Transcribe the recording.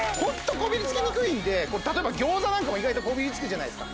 こびりつきにくいんで餃子なんかも意外とこびりつくじゃないですか